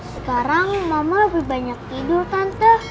sekarang mama lebih banyak tidur tante